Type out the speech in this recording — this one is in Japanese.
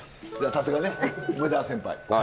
さすがね梅沢先輩。